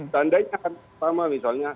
tandanya kan pertama misalnya